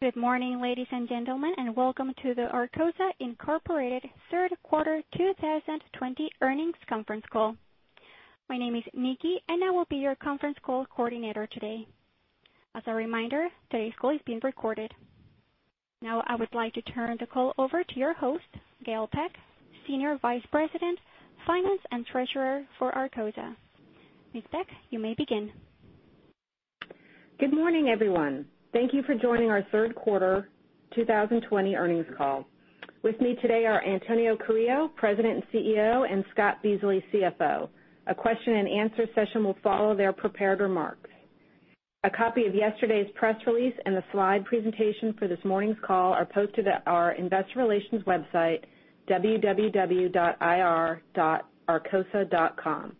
Good morning, ladies and gentlemen, and welcome to the Arcosa Incorporated third-quarter 2020 earnings conference call. My name is Nikki, and I will be your conference call coordinator today. As a reminder, today's call is being recorded. Now I would like to turn the call over to your host, Gail Peck, Senior Vice President, Finance and Treasurer for Arcosa. Ms. Peck, you may begin. Good morning, everyone. Thank you for joining our third quarter 2020 earnings call. With me today are Antonio Carrillo, President and CEO, and Scott Beasley, CFO. A question-and-answer session will follow their prepared remarks. A copy of yesterday's press release and the slide presentation for this morning's call are posted at our investor relations website, www.ir.arcosa.com.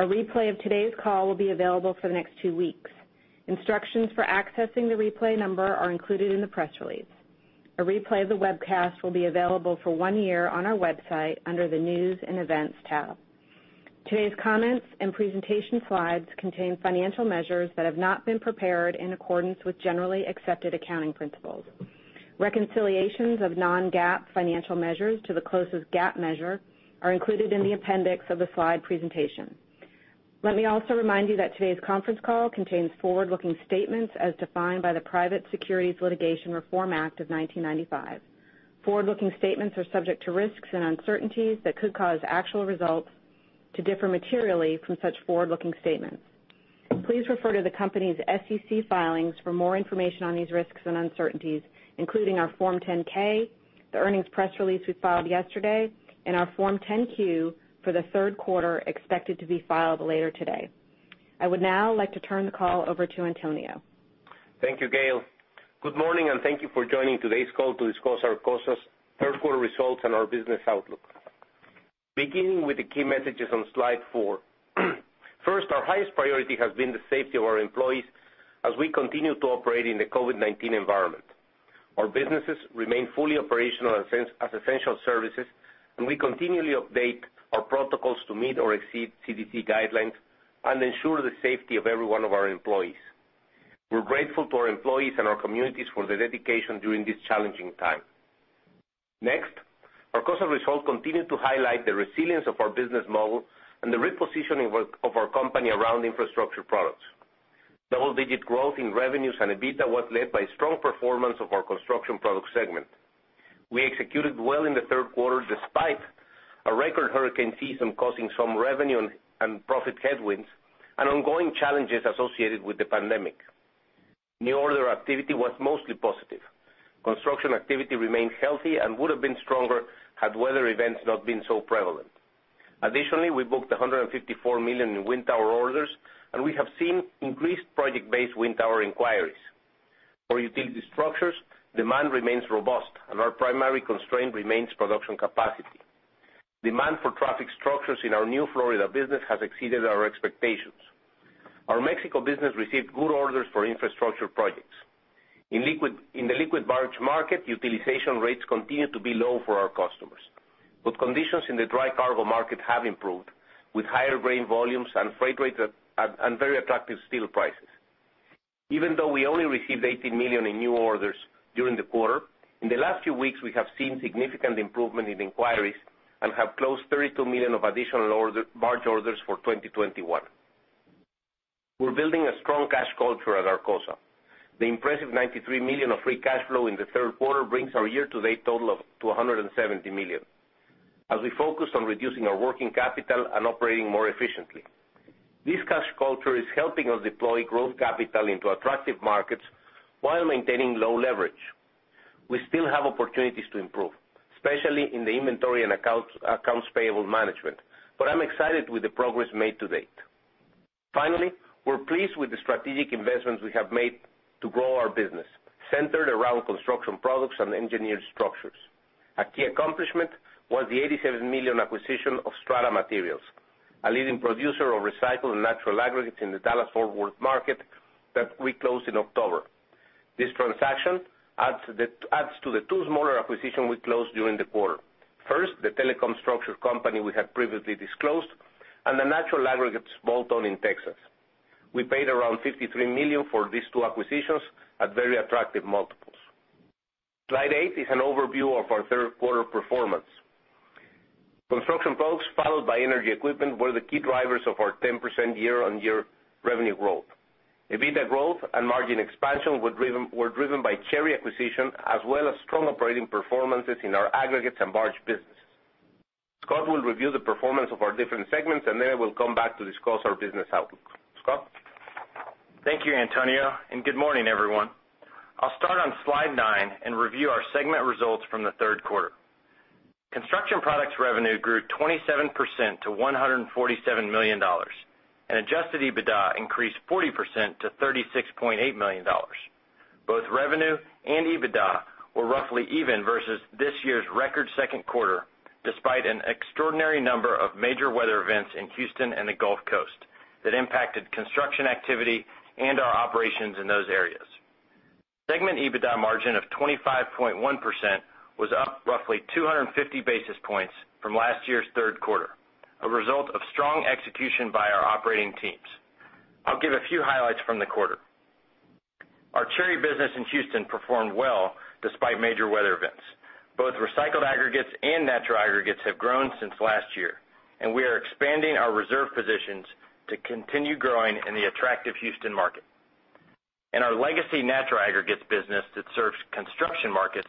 A replay of today's call will be available for the next two weeks. Instructions for accessing the replay number are included in the press release. A replay of the webcast will be available for one year on our website under the News and Events tab. Today's comments and presentation slides contain financial measures that have not been prepared in accordance with generally accepted accounting principles. Reconciliations of non-GAAP financial measures to the closest GAAP measure are included in the appendix of the slide presentation. Let me also remind you that today's conference call contains forward-looking statements as defined by the Private Securities Litigation Reform Act of 1995. Forward-looking statements are subject to risks and uncertainties that could cause actual results to differ materially from such forward-looking statements. Please refer to the company's SEC filings for more information on these risks and uncertainties, including our Form 10-K, the earnings press release we filed yesterday, and our Form 10-Q for the third quarter, expected to be filed later today. I would now like to turn the call over to Antonio. Thank you, Gail. Good morning, and thank you for joining today's call to discuss Arcosa's third quarter results and our business outlook. Beginning with the key messages on slide four. First, our highest priority has been the safety of our employees as we continue to operate in the COVID-19 environment. Our businesses remain fully operational as essential services. We continually update our protocols to meet or exceed CDC guidelines and ensure the safety of every one of our employees. We're grateful to our employees and our communities for their dedication during this challenging time. Next, Arcosa results continue to highlight the resilience of our business model and the repositioning of our company around infrastructure products. Double-digit growth in revenues and EBITDA was led by the strong performance of our Construction Products segment. We executed well in the third quarter despite a record hurricane season, causing some revenue and profit headwinds and ongoing challenges associated with the pandemic. New order activity was mostly positive. Construction activity remained healthy and would've been stronger had weather events not been so prevalent. Additionally, we booked $154 million in wind tower orders, and we have seen increased project-based wind tower inquiries. For utility structures, demand remains robust, and our primary constraint remains production capacity. Demand for traffic structures in our new Florida business has exceeded our expectations. Our Mexico business received good orders for infrastructure projects. In the liquid barge market, utilization rates continue to be low for our customers. Conditions in the dry cargo market have improved, with higher grain volumes and freight rates at very attractive steel prices. Even though we only received $18 million in new orders during the quarter, in the last few weeks, we have seen significant improvement in inquiries and have closed $32 million of additional barge orders for 2021. We're building a strong cash culture at Arcosa. The impressive $93 million of free cash flow in the third quarter brings our year-to-date total up to $170 million as we focus on reducing our working capital and operating more efficiently. This cash culture is helping us deploy growth capital into attractive markets while maintaining low leverage. We still have opportunities to improve, especially in the inventory and accounts payable management. I'm excited with the progress made to date. Finally, we're pleased with the strategic investments we have made to grow our business, centered around construction products and engineered structures. A key accomplishment was the $87 million acquisition of Strata Materials, a leading producer of recycled and natural aggregates in the Dallas-Fort Worth market that we closed in October. This transaction adds to the two smaller acquisitions we closed during the quarter. First, the telecom structure company we had previously disclosed, and the natural aggregates in a small town in Texas. We paid around $53 million for these two acquisitions at very attractive multiples. Slide eight is an overview of our third-quarter performance. Construction products followed by energy equipment were the key drivers of our 10% year-on-year revenue growth. EBITDA growth and margin expansion were driven by the Cherry acquisition as well as strong operating performances in our aggregates and barge businesses. Scott will review the performance of our different segments, and then I will come back to discuss our business outlook. Scott? Thank you, Antonio, and good morning, everyone. I'll start on slide nine and review our segment results from the third quarter. Construction products revenue grew 27% to $147 million, and adjusted EBITDA increased 40% to $36.8 million. Both revenue and EBITDA were roughly even versus this year's record second quarter, despite an extraordinary number of major weather events in Houston and the Gulf Coast that impacted construction activity and our operations in those areas. Segment EBITDA margin of 25.1% was up roughly 250 basis points from last year's third quarter, a result of strong execution by our operating teams. I'll give a few highlights from the quarter. Our Cherry business in Houston performed well despite major weather events. Both recycled aggregates and natural aggregates have grown since last year, and we are expanding our reserve positions to continue growing in the attractive Houston market. In our legacy natural aggregates business that serves construction markets,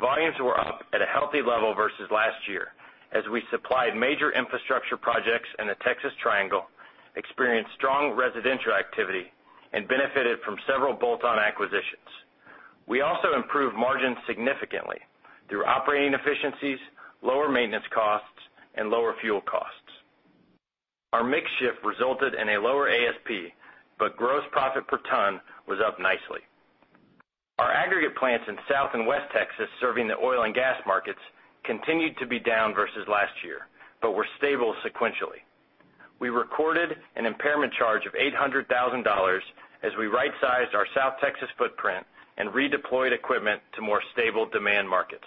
volumes were up at a healthy level versus last year, as we supplied major infrastructure projects in the Texas Triangle, experienced strong residential activity, and benefited from several bolt-on acquisitions. We also improved margins significantly through operating efficiencies, lower maintenance costs, and lower fuel costs. Our mix shift resulted in a lower ASP, but gross profit per ton was up nicely. Our aggregate plants in South and West Texas, serving the oil and gas markets, continued to be down versus last year, but were stable sequentially. We recorded an impairment charge of $800,000 as we right-sized our South Texas footprint and redeployed equipment to more stable demand markets.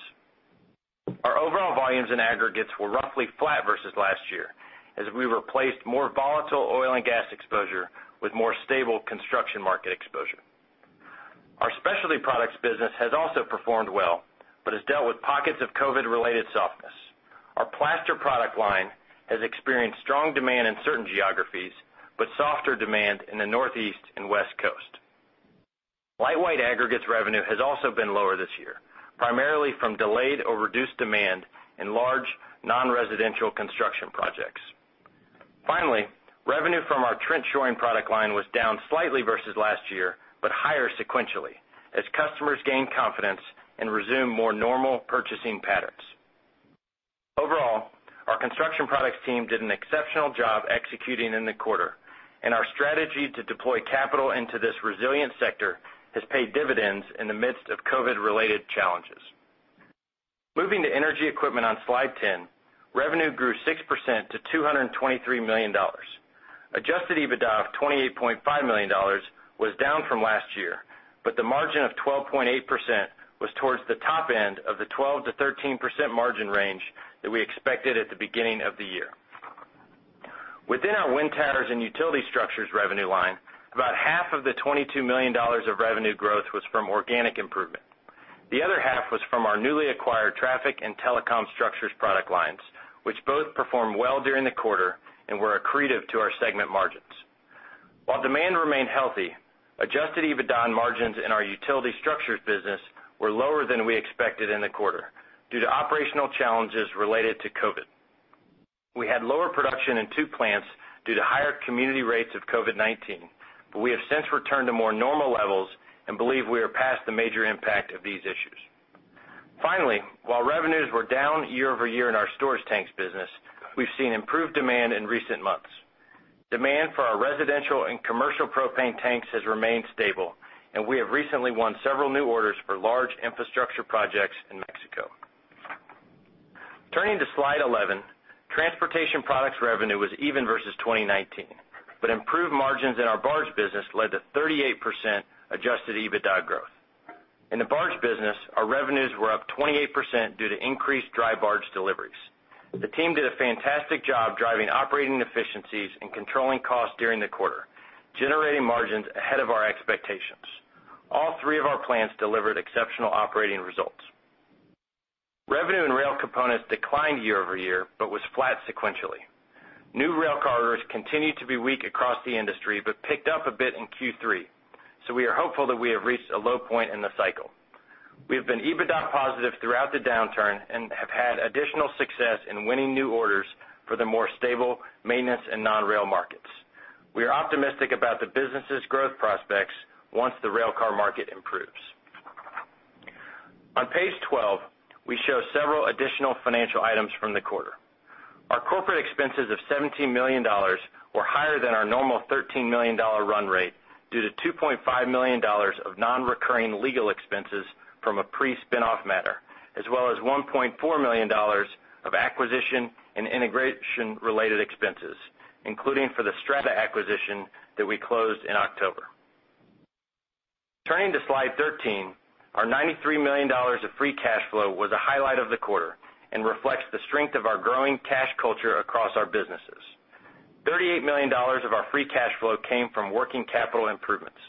Our overall volumes and aggregates were roughly flat versus last year, as we replaced more volatile oil and gas exposure with more stable construction market exposure. Our specialty products business has also performed well, but has dealt with pockets of COVID-related softness. Our plaster product line has experienced strong demand in certain geographies, but softer demand in the Northeast and West Coast. Lightweight aggregates revenue has also been lower this year, primarily from delayed or reduced demand in large non-residential construction projects. Finally, revenue from our trench shoring product line was down slightly versus last year, but higher sequentially as customers gain confidence and resume more normal purchasing patterns. Overall, our construction products team did an exceptional job executing in the quarter, and our strategy to deploy capital into this resilient sector has paid dividends in the midst of COVID-related challenges. Moving to Energy Equipment on slide 10, revenue grew 6% to $223 million. Adjusted EBITDA of $28.5 million was down from last year; the margin of 12.8% was towards the top end of the 12%-13% margin range that we expected at the beginning of the year. Within our wind towers and utility structures revenue line, about half of the $22 million of revenue growth was from organic improvement. The other half was from our newly acquired traffic and telecom structures product lines, which both performed well during the quarter and were accretive to our segment margins. While demand remained healthy, adjusted EBITDA margins in our utility structures business were lower than we expected in the quarter due to operational challenges related to COVID. We had lower production in two plants due to higher community rates of COVID-19. We have since returned to more normal levels and believe we are past the major impact of these issues. Finally, while revenues were down year-over-year in our storage tanks business, we've seen improved demand in recent months. Demand for our residential and commercial propane tanks has remained stable, and we have recently won several new orders for large infrastructure projects in Mexico. Turning to slide 11, Transportation Products revenue was even versus 2019, but improved margins in our barge business led to 38% adjusted EBITDA growth. In the barge business, our revenues were up 28% due to increased dry barge deliveries. The team did a fantastic job driving operating efficiencies and controlling costs during the quarter, generating margins ahead of our expectations. All three of our plants delivered exceptional operating results. Revenue in rail components declined year-over-year but was flat sequentially. New railcar orders continued to be weak across the industry, but picked up a bit in Q3, so we are hopeful that we have reached a low point in the cycle. We have been EBITDA-positive throughout the downturn and have had additional success in winning new orders for the more stable maintenance and non-rail markets. We are optimistic about the business's growth prospects once the railcar market improves. On page 12, we show several additional financial items from the quarter. Our corporate expenses of $17 million were higher than our normal $13 million run rate due to $2.5 million of non-recurring legal expenses from a pre-spin-off matter, as well as $1.4 million of acquisition and integration-related expenses, including for the Strata acquisition that we closed in October. Turning to slide 13, our $93 million of free cash flow was a highlight of the quarter and reflects the strength of our growing cash culture across our businesses. $38 million of our free cash flow came from working capital improvements.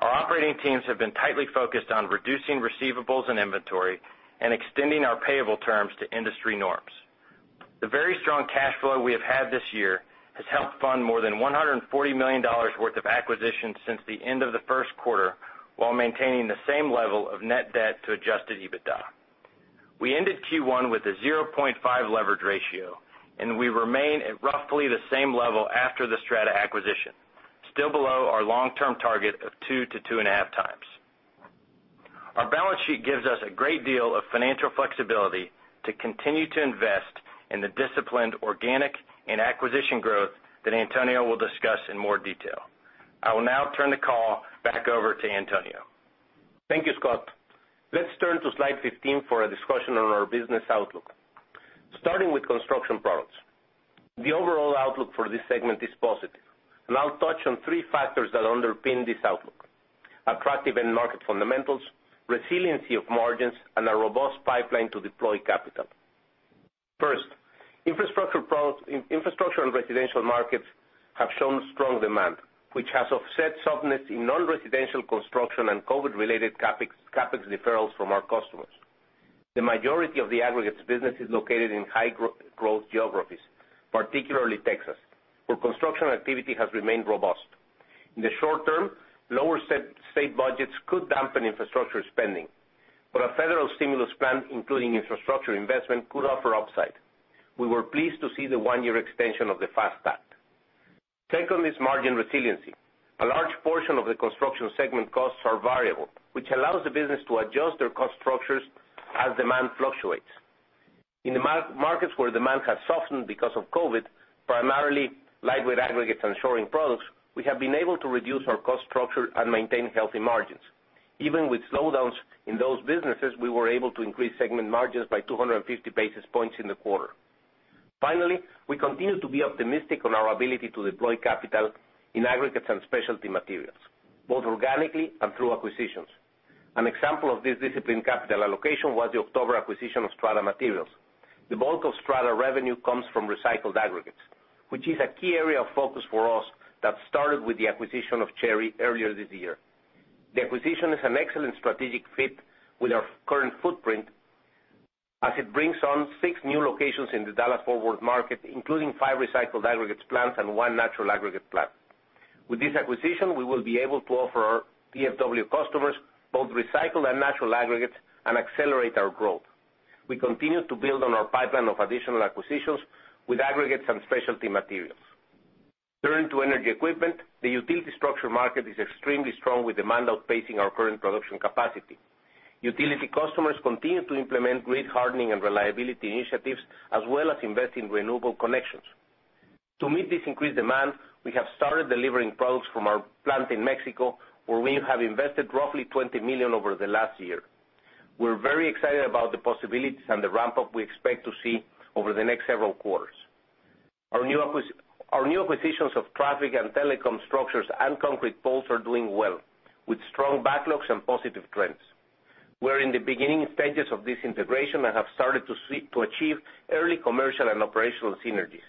Our operating teams have been tightly focused on reducing receivables and inventory and extending our payable terms to industry norms. The very strong cash flow we have had this year has helped fund more than $140 million worth of acquisitions since the end of the first quarter while maintaining the same level of net debt to adjusted EBITDA. We ended Q1 with a 0.5x leverage ratio, and we remain at roughly the same level after the Strata acquisition, still below our long-term target of 2x-2.5x. Our balance sheet gives us a great deal of financial flexibility to continue to invest in the disciplined organic and acquisition growth that Antonio will discuss in more detail. I will now turn the call back over to Antonio. Thank you, Scott. Let's turn to slide 15 for a discussion on our business outlook. Starting with Construction Products, the overall outlook for this segment is positive. I'll touch on three factors that underpin this outlook. Attractive end market fundamentals, resiliency of margins, and a robust pipeline to deploy capital. First, infrastructure and residential markets have shown strong demand, which has offset softness in non-residential construction and COVID-related CapEx deferrals from our customers. The majority of the aggregates business is located in high-growth geographies, particularly Texas, where construction activity has remained robust. In the short term, lower state budgets could dampen infrastructure spending. A federal stimulus plan, including infrastructure investment, could offer upside. We were pleased to see the one-year extension of the FAST Act. Second is margin resiliency. A large portion of the construction segment costs are variable, which allows the business to adjust their cost structures as demand fluctuates. In the markets where demand has softened because of COVID, primarily lightweight aggregates and shoring products, we have been able to reduce our cost structure and maintain healthy margins. Even with slowdowns in those businesses, we were able to increase segment margins by 250 basis points in the quarter. We continue to be optimistic on our ability to deploy capital in aggregates and specialty materials, both organically and through acquisitions. An example of this disciplined capital allocation was the October acquisition of Strata Materials. The bulk of Strata revenue comes from recycled aggregates, which is a key area of focus for us that started with the acquisition of Cherry earlier this year. The acquisition is an excellent strategic fit with our current footprint as it brings on six new locations in the Dallas-Fort Worth market, including five recycled aggregates plants and one natural aggregate plant. With this acquisition, we will be able to offer our DFW customers both recycled and natural aggregates and accelerate our growth. We continue to build on our pipeline of additional acquisitions with aggregates and specialty materials. Turning to energy equipment. The utility structure market is extremely strong, with demand outpacing our current production capacity. Utility customers continue to implement grid hardening and reliability initiatives, as well as invest in renewable connections. To meet this increased demand, we have started delivering products from our plant in Mexico, where we have invested roughly $20 million over the last year. We're very excited about the possibilities and the ramp-up we expect to see over the next several quarters. Our new acquisitions of traffic and telecom structures and concrete poles are doing well, with strong backlogs and positive trends. We're in the beginning stages of this integration and have started to achieve early commercial and operational synergies.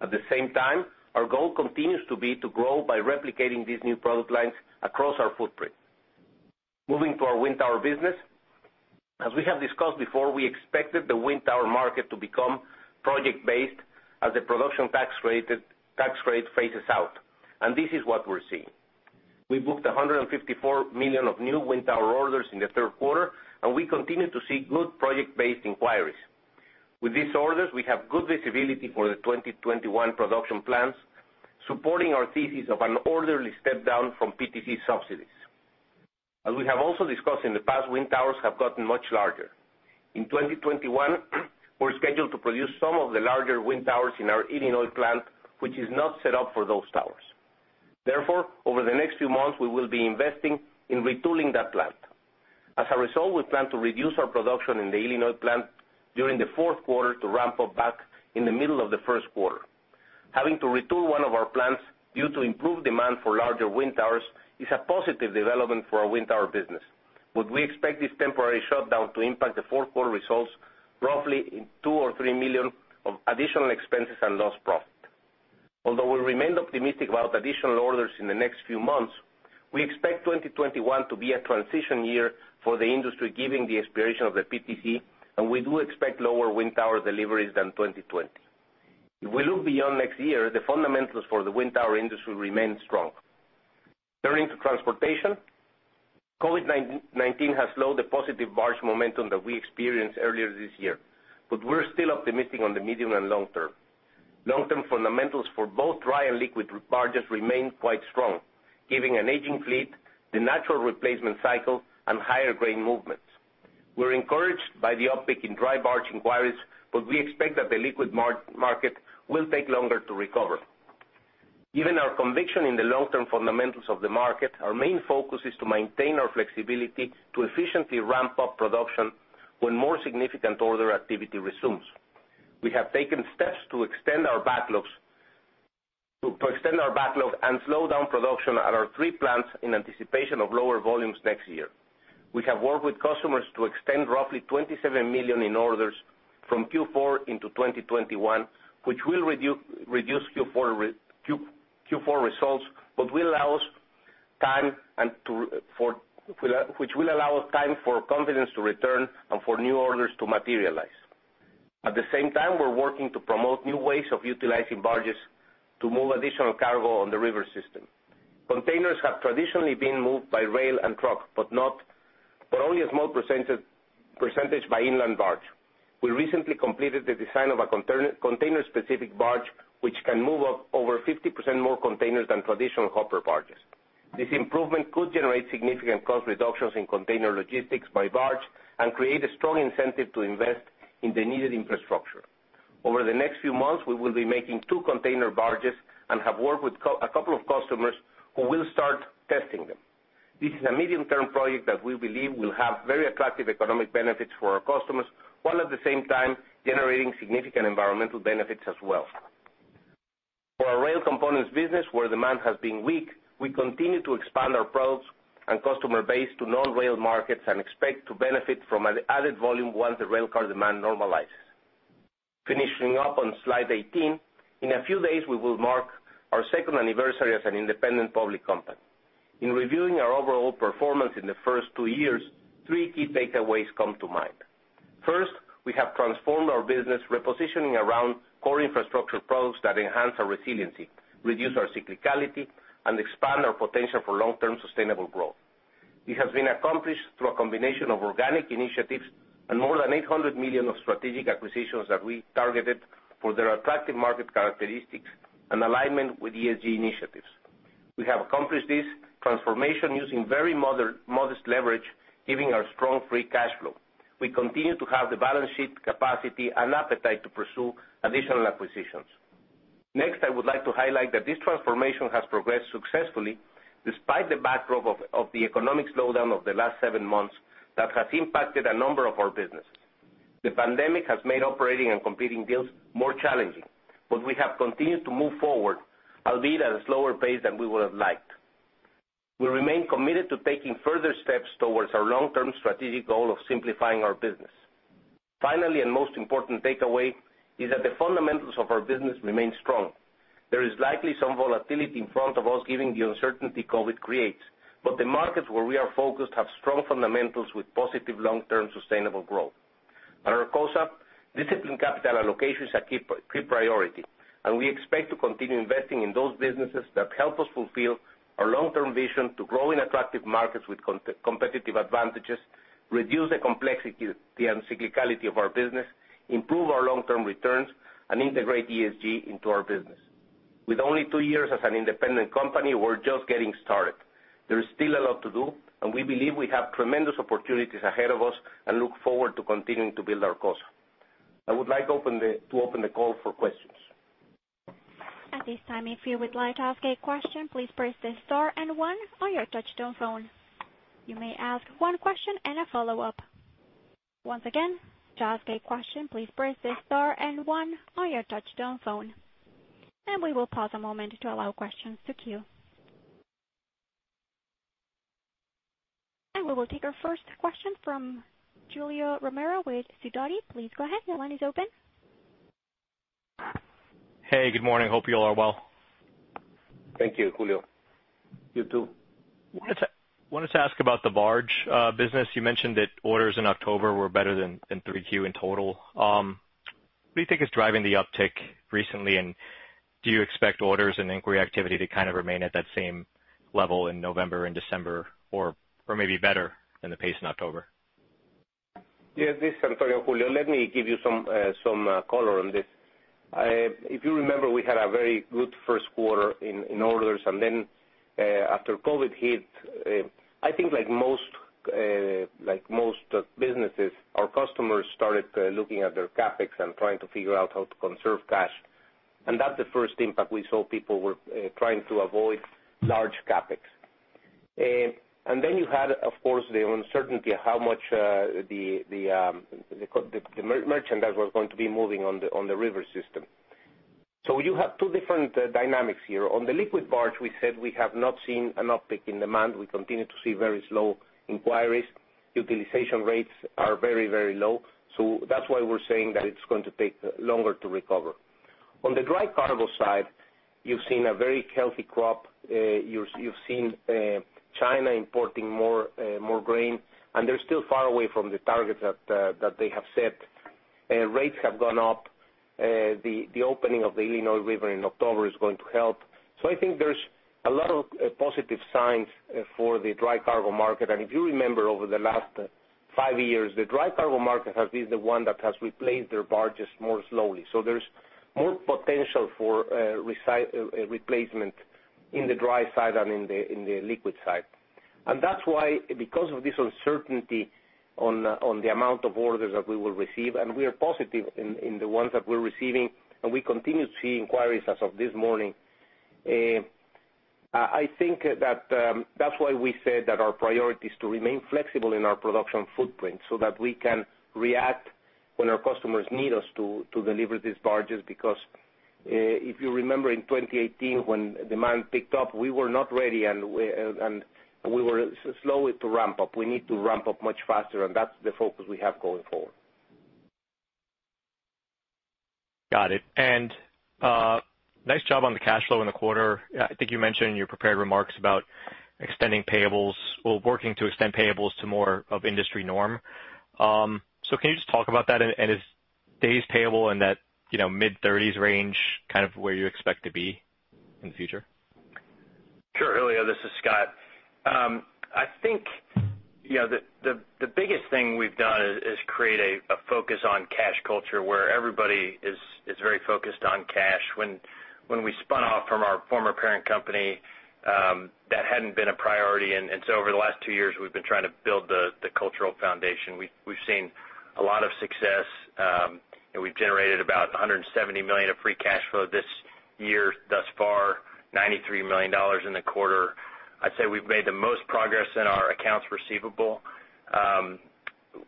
At the same time, our goal continues to be to grow by replicating these new product lines across our footprint. Moving to our wind tower business. As we have discussed before, we expected the wind tower market to become project-based as the production tax credit phases out, and this is what we're seeing. We booked $154 million of new wind tower orders in the third quarter, and we continue to see good project-based inquiries. With these orders, we have good visibility for the 2021 production plans, supporting our thesis of an orderly step down from PTC subsidies. As we have also discussed in the past, wind towers have gotten much larger. In 2021, we're scheduled to produce some of the larger wind towers in our Illinois plant, which is not set up for those towers. Over the next few months, we will be investing in retooling that plant. As a result, we plan to reduce our production in the Illinois plant during the fourth quarter to ramp up back in the middle of the first quarter. Having to retool one of our plants due to improved demand for larger wind towers is a positive development for our wind tower business. We expect this temporary shutdown to impact the fourth quarter results by roughly in $2 million or $3 million of additional expenses and lost profit. Although we remain optimistic about additional orders in the next few months, we expect 2021 to be a transition year for the industry, given the expiration of the PTC, and we do expect lower wind tower deliveries than in 2020. If we look beyond next year, the fundamentals for the wind tower industry remain strong. Turning to transportation. COVID-19 has slowed the positive barge momentum that we experienced earlier this year, but we're still optimistic on the medium and long term. Long-term fundamentals for both dry and liquid barges remain quite strong, giving an aging fleet the natural replacement cycle and higher grain movements. We're encouraged by the uptick in dry barge inquiries, but we expect that the liquid market will take longer to recover. Given our conviction in the long-term fundamentals of the market, our main focus is to maintain our flexibility to efficiently ramp up production when more significant order activity resumes. We have taken steps to extend our backlogs and slow down production at our three plants in anticipation of lower volumes next year. We have worked with customers to extend roughly $27 million in orders from Q4 into 2021, which will reduce Q4 results, which will allow us time for confidence to return and for new orders to materialize. At the same time, we're working to promote new ways of utilizing barges to move additional cargo on the river system. Containers have traditionally been moved by rail and truck, but only a small percentage by inland barge. We recently completed the design of a container-specific barge, which can move over 50% more containers than traditional hopper barges. This improvement could generate significant cost reductions in container logistics by barge and create a strong incentive to invest in the needed infrastructure. Over the next few months, we will be making two container barges and will have worked with a couple of customers who will start testing them. This is a medium-term project that we believe will have very attractive economic benefits for our customers, while at the same time generating significant environmental benefits as well. Our rail components business, where demand has been weak, we continue to expand our products and customer base to non-rail markets and expect to benefit from an added volume once the railcar demand normalizes. Finishing up on slide 18. In a few days, we will mark our second anniversary as an independent public company. In reviewing our overall performance in the first two years, three key takeaways come to mind. First, we have transformed our business, repositioning around core infrastructure products that enhance our resiliency, reduce our cyclicality, and expand our potential for long-term sustainable growth. It has been accomplished through a combination of organic initiatives and more than $800 million of strategic acquisitions that we targeted for their attractive market characteristics and alignment with ESG initiatives. We have accomplished this transformation using very modest leverage, giving our strong free cash flow. We continue to have the balance sheet capacity and appetite to pursue additional acquisitions. I would like to highlight that this transformation has progressed successfully despite the backdrop of the economic slowdown of the last seven months that has impacted a number of our businesses. The pandemic has made operating and completing deals more challenging. We have continued to move forward, albeit at a slower pace than we would have liked. We remain committed to taking further steps towards our long-term strategic goal of simplifying our business. The most important takeaway is that the fundamentals of our business remain strong. There is likely some volatility in front of us, given the uncertainty COVID-19 creates. The markets where we are focused have strong fundamentals with positive long-term sustainable growth. At Arcosa, disciplined capital allocation is a key priority, and we expect to continue investing in those businesses that help us fulfill our long-term vision to grow in attractive markets with competitive advantages, reduce the complexity and cyclicality of our business, improve our long-term returns, and integrate ESG into our business. With only two years as an independent company, we're just getting started. There is still a lot to do, and we believe we have tremendous opportunities ahead of us and look forward to continuing to build Arcosa. I would like to open the call for questions. At this time, if you would like to ask a question, please press the star and one on your touchtone phone. You may ask one question and a follow-up. Once again, to ask a question, please press the star and one on your touchtone phone. We will pause for a moment to allow questions to queue. We will take our first question from Julio Romero with Sidoti. Please go ahead. Your line is open. Hey, good morning. Hope you all are well. Thank you, Julio. You too. Wanted to ask about the barge business. You mentioned that orders in October were better than 3Q in total. What do you think is driving the uptick recently, and do you expect orders and inquiry activity to kind of remain at that same level in November and December, or maybe better than the pace in October? Yes. This is Antonio, Julio. Let me give you some color on this. If you remember, we had a very good first quarter in orders, and then after COVID hit, I think, like most businesses, our customers started looking at their CapEx and trying to figure out how to conserve cash. That's the first impact we saw. People were trying to avoid large CapEx. Then you had, of course, the uncertainty of how much the merchandise was going to be moving on the river system. You have two different dynamics here. On the liquid barge, we said we have not seen an uptick in demand. We continue to see very slow inquiries. Utilization rates are very, very low. That's why we're saying that it's going to take longer to recover. On the dry cargo side, you've seen a very healthy crop. You've seen China importing more grain, and they're still far away from the target that they have set. Rates have gone up. The opening of the Illinois River in October is going to help. I think there's a lot of positive signs for the dry cargo market. If you remember, over the last five years, the dry cargo market has been the one that has replaced their barges more slowly. There's more potential for replacement in the dry side than in the liquid side. That's why, because of this uncertainty on the amount of orders that we will receive, and we are positive in the ones that we're receiving, and we continue to see inquiries as of this morning. I think that's why we said that our priority is to remain flexible in our production footprint so that we can react when our customers need us to deliver these barges. If you remember in 2018 when demand picked up, we were not ready, and we were slow to ramp up. We need to ramp up much faster, and that's the focus we have going forward. Got it. Nice job on the cash flow in the quarter. I think you mentioned in your prepared remarks about extending payables. Well, working to extend payables to more of the industry norm. Can you just talk about that, and is days payable in that mid-30s range kind of where you expect to be in the future? Sure, Julio, this is Scott. I think the biggest thing we've done is create a focus on cash culture, where everybody is very focused on cash. When we spun off from our former parent company, that hadn't been a priority. Over the last two years, we've been trying to build the cultural foundation. We've seen a lot of success. We've generated about $170 million of free cash flow this year thus far. $93 million in the quarter. I'd say we've made the most progress in our accounts receivable.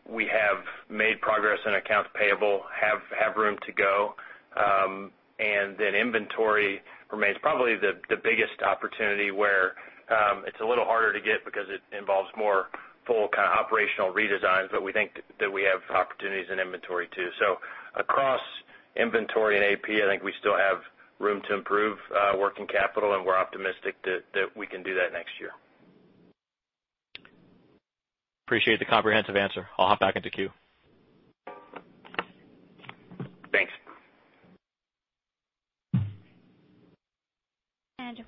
We have made progress in accounts payable, have room to go. Inventory remains probably the biggest opportunity, where it's a little harder to get because it involves more full kind of operational redesigns, but we think that we have opportunities in inventory, too. Across inventory and AP, I think we still have room to improve working capital, and we're optimistic that we can do that next year. Appreciate the comprehensive answer. I'll hop back into the queue. Thanks.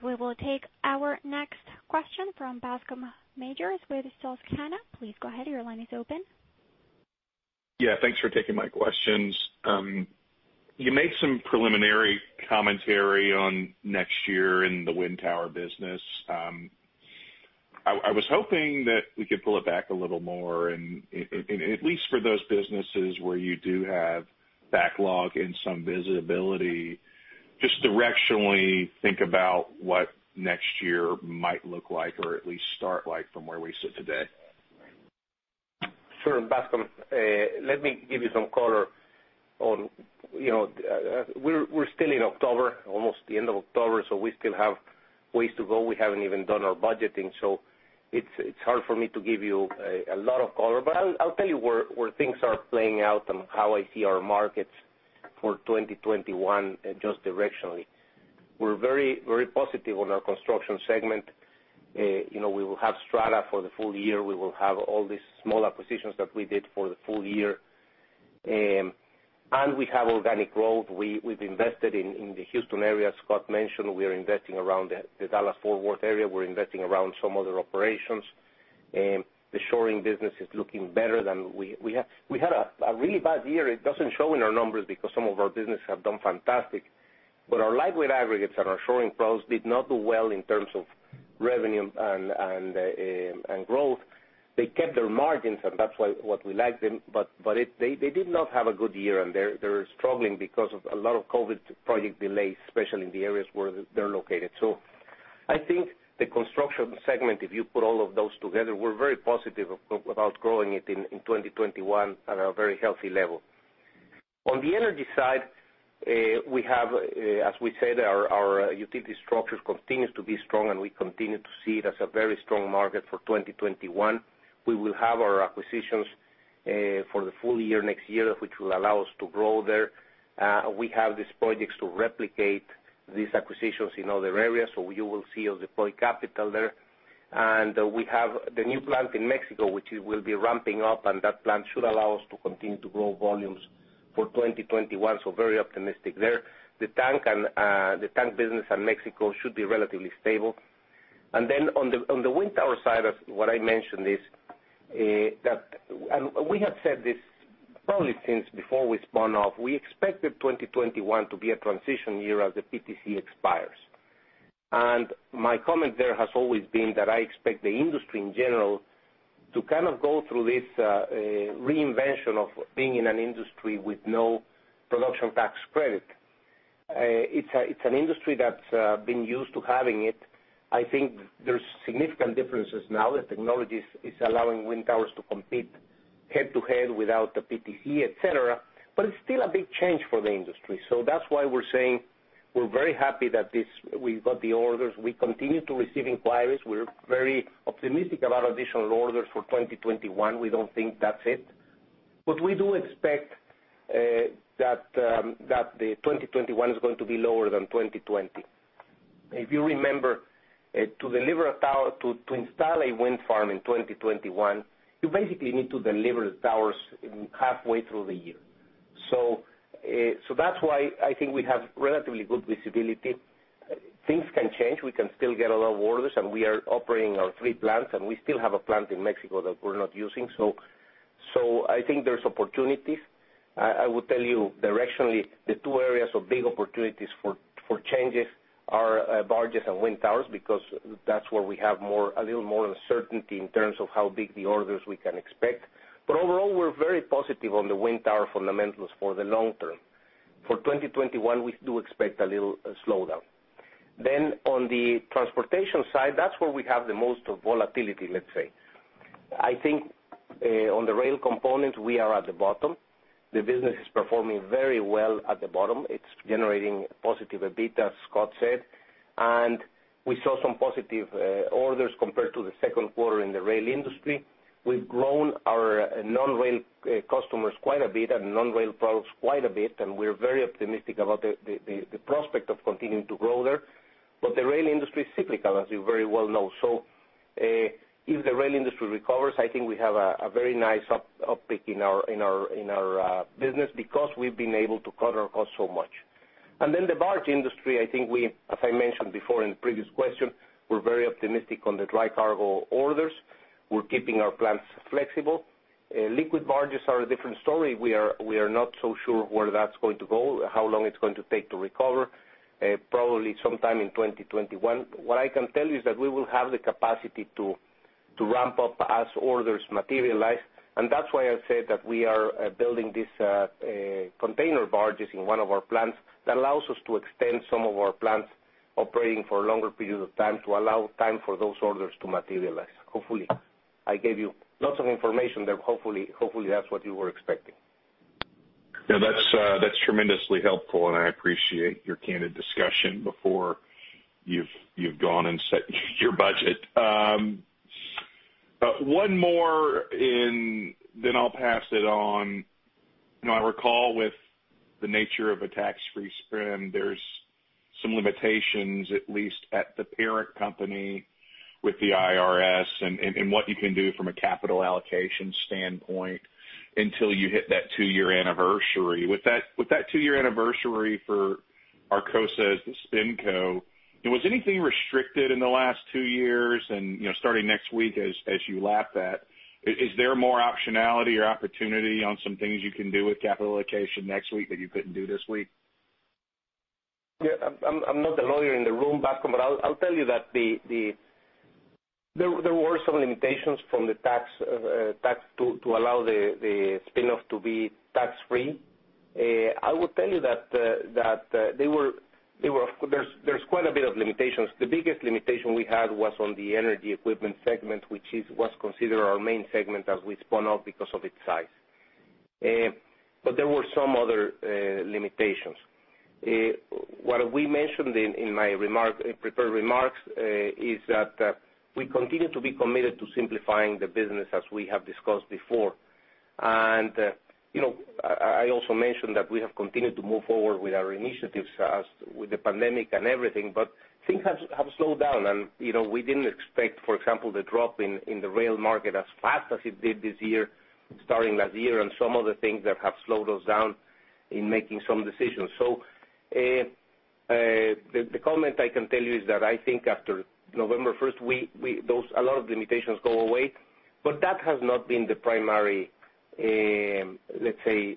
We will take our next question from Bascome Majors with Susquehanna. Please go ahead. Your line is open. Yeah. Thanks for taking my questions. You made some preliminary commentary on next year in the wind tower business. I was hoping that we could pull it back a little more and, at least for those businesses where you do have backlog and some visibility, just directionally think about what next year might look like, or at least start like from where we sit today. Sure, Bascome. Let me give you some color. We're still in October, almost the end of October, so we still have ways to go. We haven't even done our budgeting. It's hard for me to give you a lot of color. I'll tell you where things are playing out and how I see our markets for 2021, just directionally. We're very positive on our construction segment. We will have Strata for the full year. We will have all these small acquisitions that we did for the full year. We have organic growth. We've invested in the Houston area. Scott mentioned we are investing around the Dallas-Fort Worth area. We're investing around some other operations. The shoring business is looking better than. We had a really bad year. It doesn't show in our numbers because some of our business have done fantastic. Our lightweight aggregates and our shoring products did not do well in terms of revenue and growth. They kept their margins, and that's why we like them, but they did not have a good year, and they're struggling because of a lot of COVID-19 project delays, especially in the areas where they're located. I think the Construction segment, if you put all of those together, we're very positive about growing it in 2021 at a very healthy level. On the energy side, we have, as we said, our utility structures continue to be strong, and we continue to see it as a very strong market for 2021. We will have our acquisitions for the full year next year, which will allow us to grow there. We have these projects to replicate these acquisitions in other areas, and you will see us deploy capital there. We have the new plant in Mexico, which will be ramping up, and that plant should allow us to continue to grow volumes for 2021, so very optimistic there. The tank business in Mexico should be relatively stable. On the wind tower side, what I mentioned is that, and we have said this probably since before we spun off, we expected 2021 to be a transition year as the PTC expires. My comment there has always been that I expect the industry in general to kind of go through this reinvention of being in an industry with no production tax credit. It's an industry that's been used to having it. I think there's significant differences now that technology is allowing wind towers to compete head-to-head without the PTC, et cetera. It's still a big change for the industry. That's why we're saying we're very happy that we've got the orders. We continue to receive inquiries. We're very optimistic about additional orders for 2021. We don't think that's it. We do expect that the 2021 is going to be lower than 2020. If you remember, to install a wind farm in 2021, you basically need to deliver the towers halfway through the year. That's why I think we have relatively good visibility. Things can change. We can still get a lot of orders, and we are operating our three plants, and we still have a plant in Mexico that we're not using. I think there's opportunities. I will tell you directionally, the two areas of big opportunities for changes are barges and wind towers, because that's where we have a little more uncertainty in terms of how big the orders we can expect. Overall, we're very positive on the wind-tower fundamentals for the long term. For 2021, we do expect a little slowdown. On the transportation side, that's where we have the most volatility, let's say. I think on the rail component, we are at the bottom. The business is performing very well at the bottom. It's generating positive EBITDA, as Scott said. We saw some positive orders compared to the second quarter in the rail industry. We've grown our non-rail customers quite a bit and non-rail products quite a bit, and we're very optimistic about the prospect of continuing to grow there. The rail industry is cyclical, as you very well know. If the rail industry recovers, I think we have a very nice uptick in our business because we've been able to cut our costs so much. The barge industry, I think we, as I mentioned before in the previous question, we're very optimistic on the dry cargo orders. We're keeping our plants flexible. Liquid barges are a different story. We are not so sure where that's going to go, how long it's going to take to recover. Probably sometime in 2021. What I can tell you is that we will have the capacity to ramp up as orders materialize. That's why I said that we are building these container barges in one of our plants that allows us to extend some of our plants' operating for longer periods of time to allow time for those orders to materialize. Hopefully, I gave you lots of information there. Hopefully, that's what you were expecting. No, that's tremendously helpful, and I appreciate your candid discussion before you've gone and set your budget. One more, then I'll pass it on. I recall that with the nature of a tax-free spin, there's some limitations, at least at the parent company, with the IRS and what you can do from a capital allocation standpoint until you hit that two-year anniversary. With that two-year anniversary for Arcosa as the spin-co, was anything restricted in the last two years? Starting next week, as you lap that, is there more optionality or opportunity on some things you can do with capital allocation next week that you couldn't do this week? Yeah. I'm not the lawyer in the room, Bascome. I'll tell you that there were some limitations from the tax to allow the spin-off to be tax-free. I will tell you that there's quite a bit of limitations. The biggest limitation we had was on the Energy Equipment segment, which was considered our main segment as we spun off because of its size. There were some other limitations. What we mentioned in my prepared remarks is that we continue to be committed to simplifying the business as we have discussed before. I also mentioned that we have continued to move forward with our initiatives, as with the pandemic and everything, but things have slowed down. We didn't expect, for example, the drop in the rail market as fast as it did this year, starting last year, and some other things that have slowed us down in making some decisions. The comment I can tell you is that I think after November 1st, a lot of limitations go away, but that has not been the primary, let's say,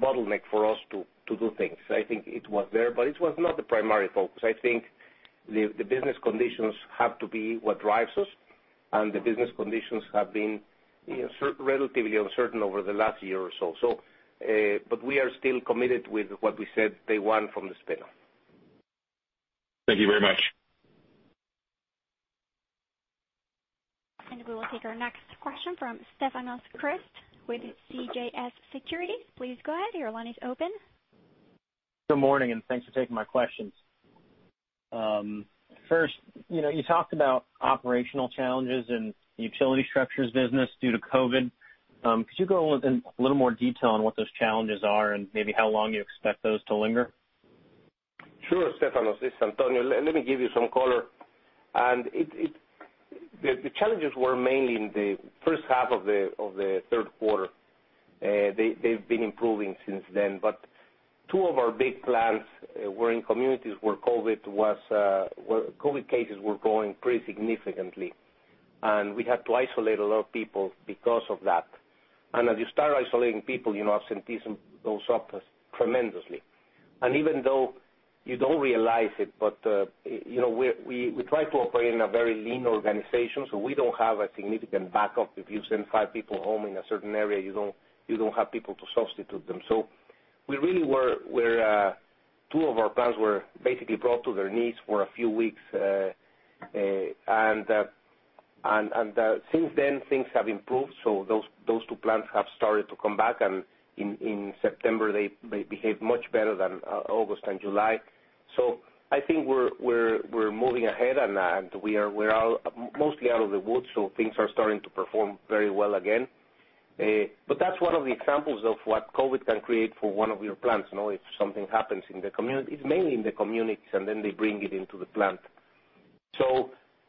bottleneck for us to do things. I think it was there, but it was not the primary focus. I think the business conditions have to be what drives us, and the business conditions have been relatively uncertain over the last year or so. We are still committed with what we said day one from the spin-off. Thank you very much. We will take our next question from Stefanos Crist with CJS Securities. Please go ahead, your line is open. Good morning, and thanks for taking my questions. First, you talked about operational challenges in the utility structures business due to COVID. Could you go into a little more detail on what those challenges are and maybe how long you expect those to linger? Sure, Stefanos. It's Antonio. Let me give you some color. The challenges were mainly in the first half of the third quarter. They've been improving since then. Two of our big plants were in communities where COVID cases were growing pretty significantly, and we had to isolate a lot of people because of that. As you start isolating people, absenteeism goes up tremendously. Even though you don't realize it, but we try to operate in a very lean organization, so we don't have a significant backup. If you send five people home in a certain area, you don't have people to substitute them. Two of our plants were basically brought to their knees for a few weeks. Since then, things have improved. Those two plants have started to come back, and in September, they behaved much better than in August and July. I think we're moving ahead, and we are mostly out of the woods, so things are starting to perform very well again. That's one of the examples of what COVID can create for one of your plants, if something happens in the community. It's mainly in the communities, and then they bring it into the plant.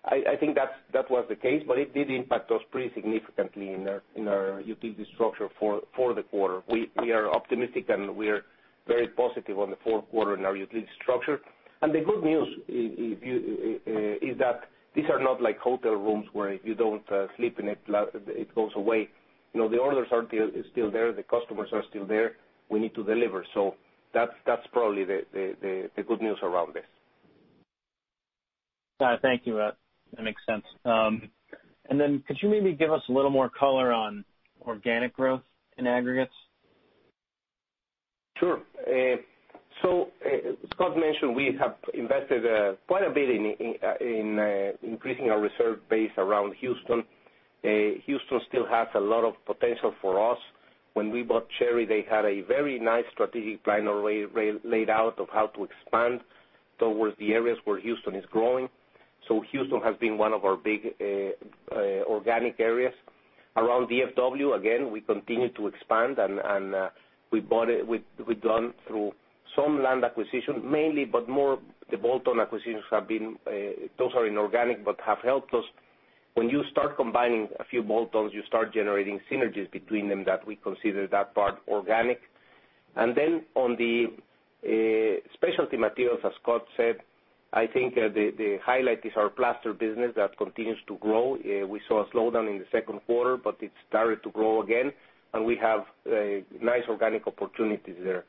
I think that was the case, but it did impact us pretty significantly in our utility structure for the quarter. We are optimistic, and we are very positive on the fourth quarter in our utility structure. The good news is that these are not like hotel rooms, where if you don't sleep in it goes away. The orders are still there. The customers are still there. We need to deliver. That's probably the good news around this. Thank you. That makes sense. Could you maybe give us a little more color on organic growth in aggregates? Sure. Scott mentioned we have invested quite a bit in increasing our reserve base around Houston. Houston still has a lot of potential for us. When we bought Cherry, they had a very nice strategic plan laid out of how to expand towards the areas where Houston is growing. Houston has been one of our big organic areas. Around DFW, again, we continue to expand, and we've gone through some land acquisition mainly, but more the bolt-on acquisitions, those are inorganic but have helped us. When you start combining a few bolt-ons, you start generating synergies between them that we consider that part organic. On the specialty materials, as Scott said, I think the highlight is our plaster business that continues to grow. We saw a slowdown in the second quarter, but it started to grow again, and we have nice organic opportunities there.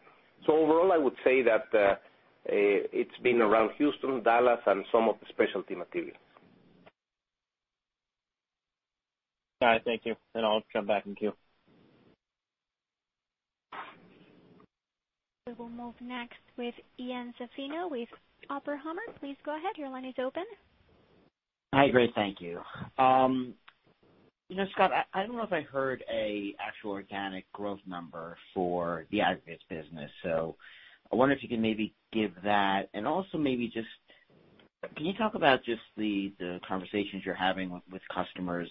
Overall, I would say that it's been around Houston, Dallas, and some of the specialty materials. All right, thank you. I'll jump back in the queue. We will move next with Ian Zaffino with Oppenheimer. Please go ahead. Your line is open. Hi, great. Thank you. Scott, I don't know if I heard an actual organic growth number for the aggregates business. I wonder if you can maybe give that. Also, maybe just, can you talk about just the conversations you're having with customers?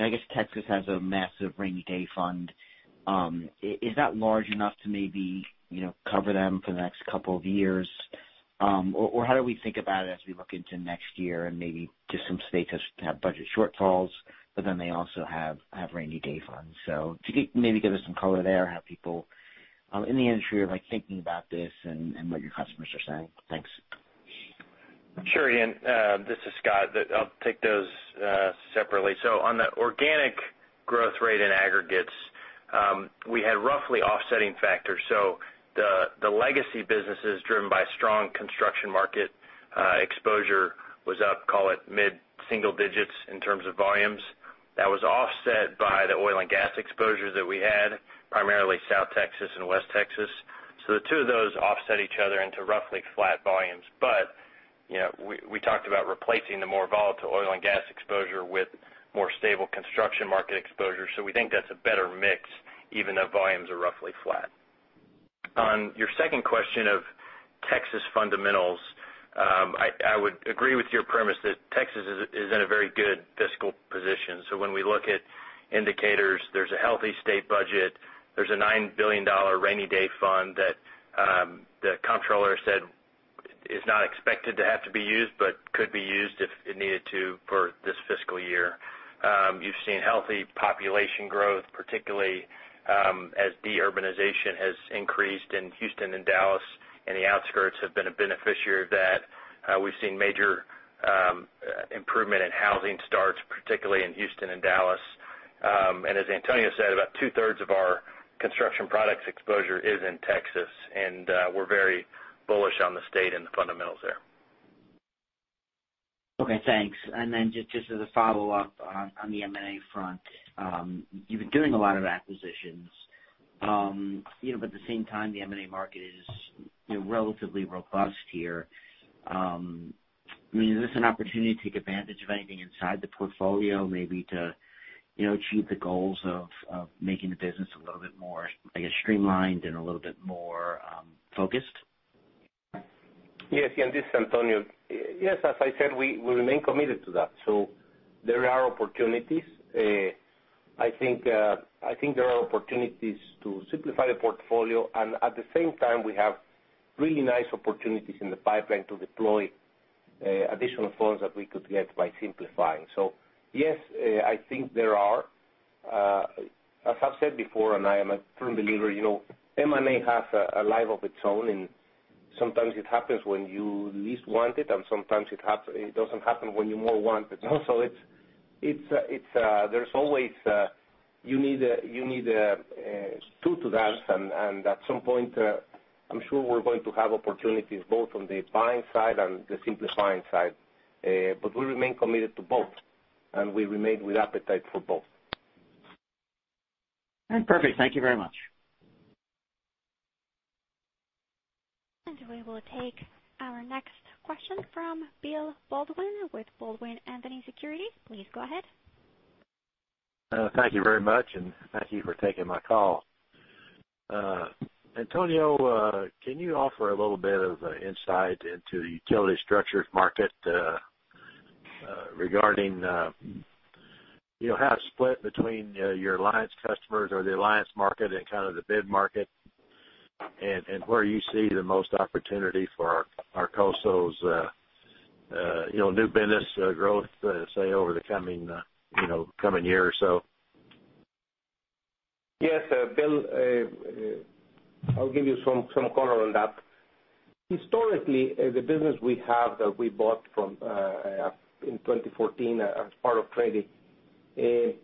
I guess Texas has a massive rainy day fund. Is that large enough to maybe cover them for the next couple of years? How do we think about it as we look into next year? Maybe just some states have budget shortfalls, they also have rainy day funds. If you could maybe give us some color there, how people in the industry are thinking about this, and what your customers are saying. Thanks. Sure, Ian. This is Scott. I'll take those separately. On the organic growth rate in aggregates, we had roughly offsetting factors. The legacy business is driven by a strong construction market. Exposure was up, call it mid-single digits in terms of volumes. That was offset by the oil and gas exposure that we had, primarily in South Texas and West Texas. The two of those offset each other into roughly flat volumes. We talked about replacing the more volatile oil and gas exposure with more stable construction market exposure. We think that's a better mix, even though volumes are roughly flat. On your second question of Texas fundamentals, I would agree with your premise that Texas is in a very good fiscal position. When we look at indicators, there's a healthy state budget. There's a $9 billion rainy day fund that the comptroller said is not expected to have to be used but could be used if it needed to for this fiscal year. You've seen healthy population growth, particularly as de-urbanization has increased in Houston and Dallas; the outskirts have been a beneficiary of that. We've seen major improvement in housing starts, particularly in Houston and Dallas. As Antonio said, about two-thirds of our construction products exposure is in Texas, and we're very bullish on the state and the fundamentals there. Okay, thanks. Then, just as a follow-up on the M&A front. You've been doing a lot of acquisitions. But at the same time, the M&A market is relatively robust here. I mean, is this an opportunity to take advantage of anything inside the portfolio, maybe to achieve the goals of making the business a little bit more, I guess, streamlined and a little bit more focused? Ian, this is Antonio. As I said, we remain committed to that. There are opportunities. I think there are opportunities to simplify the portfolio, and at the same time, we have really nice opportunities in the pipeline to deploy additional funds that we could get by simplifying. Yes, I think there are. As I've said before, and I am a firm believer, M&A has a life of its own, and sometimes it happens when you least want it, and sometimes it doesn't happen when you want it more. There's always, you need two to dance, and at some point, I'm sure we're going to have opportunities both on the buying side and the simplifying side. We remain committed to both, and we remain with an appetite for both. All right. Perfect. Thank you very much. We will take our next question from Bill Baldwin with Baldwin Anthony Securities. Please go ahead. Thank you very much. Thank you for taking my call. Antonio, can you offer a little bit of insight into the utility structures market, regarding how to split between your alliance customers or the alliance market, and kind of the bid market? Where you see the most opportunity for Arcosa's new business growth, say, over the coming year or so? Yes. Bill, I'll give you some color on that. Historically, the business we have that we bought in 2014 as part of Trinity, it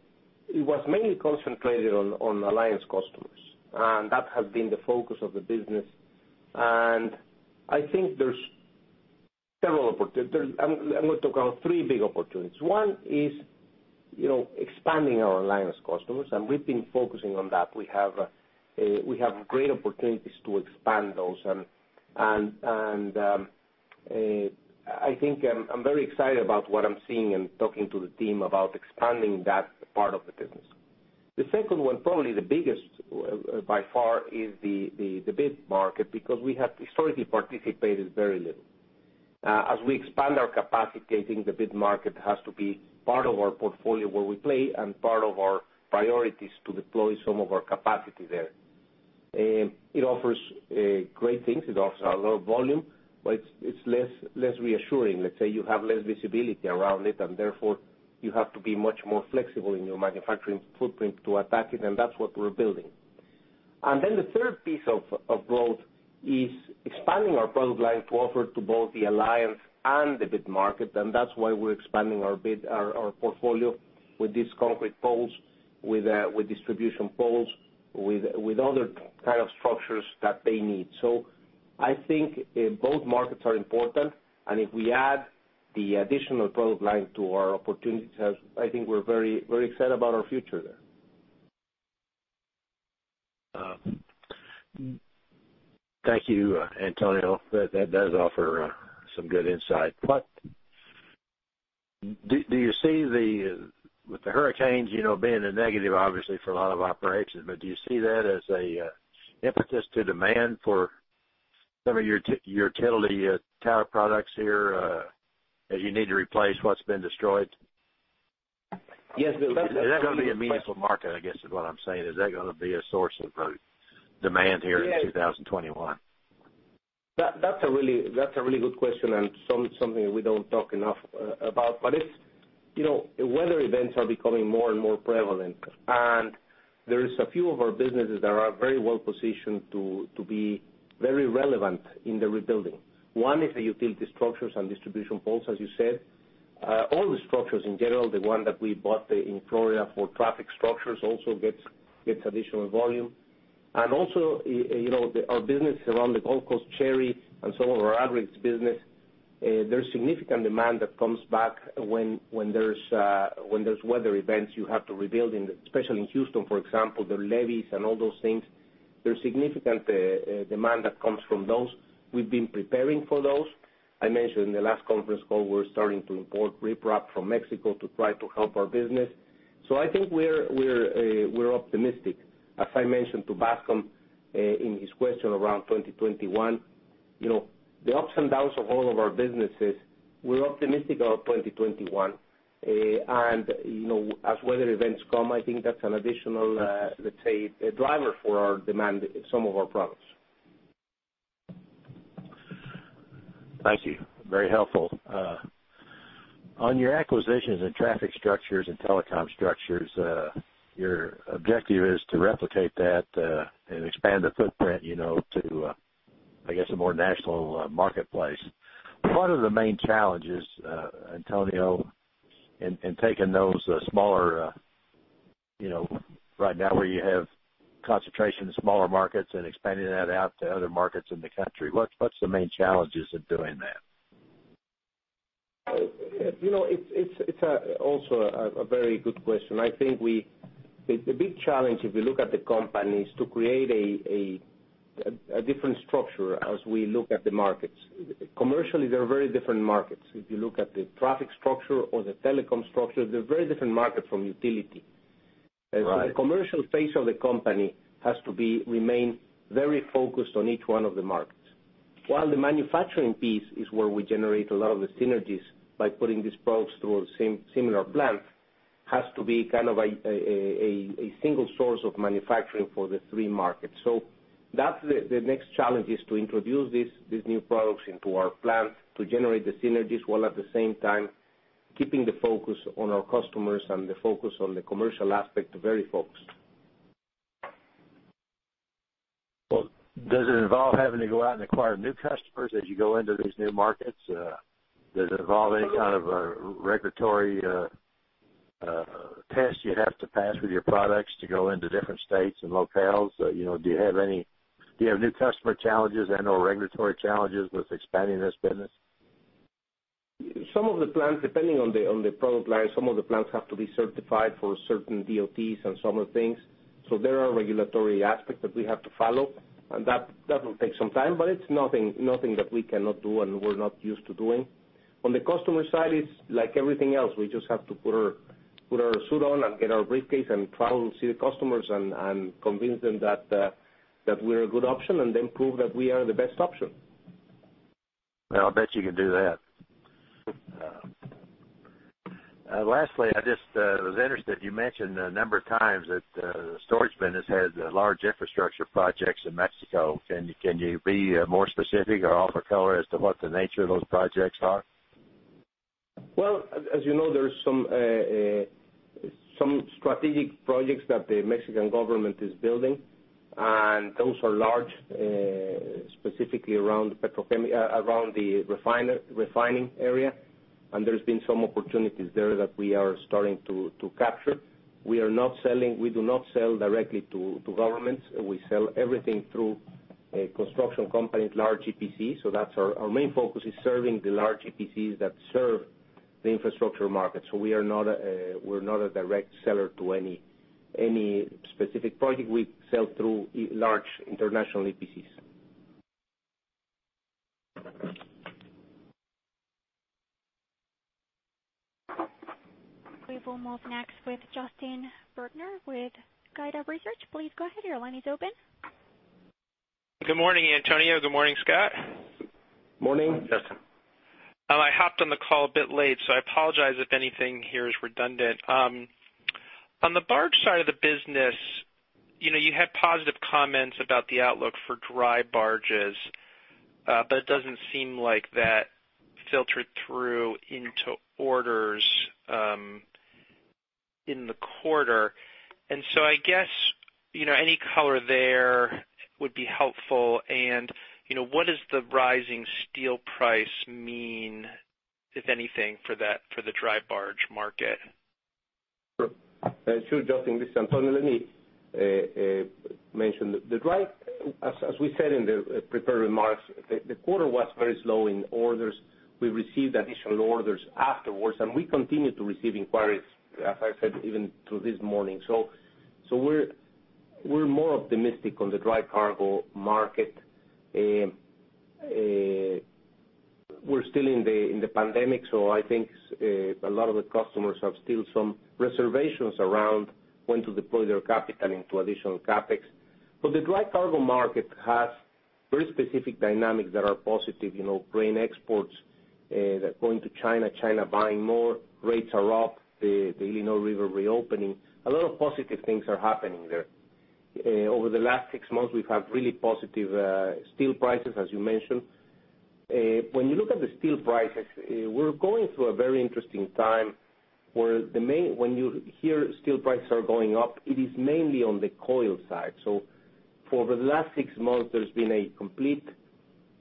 was mainly concentrated on alliance customers, and that has been the focus of the business. I think there's several opportunities. I'm going to talk about three big opportunities. One is expanding our alliance customers, and we've been focusing on that. We have great opportunities to expand those, and I think I'm very excited about what I'm seeing and talking to the team about expanding that part of the business. The second one, probably the biggest by far, is the bid market, because we have historically participated very little. As we expand our capacity, I think the bid market has to be part of our portfolio where we play, and part of our priorities to deploy some of our capacity there. It offers great things. It offers a lot of volume, but it's less reassuring. Let's say you have less visibility around it. Therefore, you have to be much more flexible in your manufacturing footprint to attack it. That's what we're building. Then the third piece of growth is expanding our product line to offer to both the alliance and the bid market. That's why we're expanding our portfolio with these concrete poles, with distribution poles with other kinds of structures that they need. I think both markets are important. If we add the additional product line to our opportunities, I think we're very excited about our future there. Thank you, Antonio. That does offer some good insight. Do you see, with the hurricanes, being a negative obviously for a lot of operations, but do you see that as an impetus to demand for some of your utility tower products here, as you need to replace what's been destroyed? Yes, but that's a- Is that going to be a meaningful market, I guess, is what I'm saying? Is that going to be a source of demand here in 2021? That's a really good question, and something we don't talk enough about, but weather events are becoming more and more prevalent, and there is a few of our businesses that are very well-positioned to be very relevant in the rebuilding. One is the utility structures and distribution poles, as you said. All the structures, in general, the one that we bought in Florida for traffic structures also gets additional volume. Also, our business around the Gulf Coast, Cherry, and some of our aggregates business, there's significant demand that comes back when there's weather events you have to rebuild, especially in Houston, for example, the levees and all those things. There's significant demand that comes from those. We've been preparing for those. I mentioned in the last conference call that we're starting to import riprap from Mexico to try to help our business. I think we're optimistic. As I mentioned to Bascome, in his question around 2021, the ups and downs of all of our businesses, we're optimistic of 2021. As weather events come, I think that's an additional, let's say, a driver for our demand in some of our products. Thank you. Very helpful. On your acquisitions and traffic structures and telecom structures, your objective is to replicate that, and expand the footprint, to, I guess, a more national marketplace. What are the main challenges, Antonio, in taking those smaller, right now where you have concentration in smaller markets and expanding that out to other markets in the country, what's the main challenges of doing that? It's also a very good question. I think the big challenge, if you look at the company, is to create a different structure as we look at the markets. Commercially, they're very different markets. If you look at the traffic structure or the telecom structure, they're very different markets from the utility. Right. The commercial face of the company has to remain very focused on each one of the markets. While the manufacturing piece is where we generate a lot of the synergies by putting these products through a similar plant, has to be kind of a single source of manufacturing for the three markets. That's the next challenge, is to introduce these new products into our plant to generate the synergies, while at the same time, keeping the focus on our customers and the focus on the commercial aspect very focused. Well, does it involve having to go out and acquire new customers as you go into these new markets? Does it involve any kind of regulatory tests you have to pass with your products to go into different states and locales? Do you have new customer challenges and/or regulatory challenges with expanding this business? Some of the plants, depending on the product line, some of the plants have to be certified for certain DOTs and some other things. There are regulatory aspects that we have to follow. That will take some time, but it's nothing that we cannot do, and we're not used to doing. On the customer side, it's like everything else. We just have to put our suits on, and get our briefcase, and travel to see the customers and convince them that we're a good option, and then prove that we are the best option. Well, I bet you can do that. Lastly, I was just interested, you mentioned a number of times that storage tanks has had large infrastructure projects in Mexico. Can you be more specific or offer color as to what the nature of those projects are? Well, as you know, there's some strategic projects that the Mexican government is building, and those are large, specifically around the refining area. There's been some opportunities there that we are starting to capture. We do not sell directly to governments. We sell everything through construction companies, large EPCs. Our main focus is serving the large EPCs that serve the infrastructure market. We're not a direct seller to any specific project. We sell through large international EPCs. We will move next with Justin Bergner with Gabelli Funds. Please go ahead, your line is open. Good morning, Antonio. Good morning, Scott. Morning. Justin. I hopped on the call a bit late, so I apologize if anything here is redundant. On the barge side of the business, you had positive comments about the outlook for dry barges. It doesn't seem like that filtered through into orders in the quarter. I guess any color there would be helpful. What does the rising steel price mean, if anything, for the dry barge market? Sure. Justin, this is Antonio. Let me mention. As we said in the prepared remarks, the quarter was very slow in orders. We received additional orders afterwards, and we continue to receive inquiries, as I said, even this morning. We're more optimistic on the dry cargo market. We're still in the pandemic, so I think a lot of the customers still have some reservations around when to deploy their capital into additional CapEx. The dry cargo market has very specific dynamics that are positive. Grain exports that are going to China buying more, rates are up, the Illinois River reopening. A lot of positive things are happening there. Over the last six months, we've had really positive steel prices, as you mentioned. When you look at the steel prices, we're going through a very interesting time where when you hear steel prices are going up, it is mainly on the coil side. For the last six months, there's been a complete,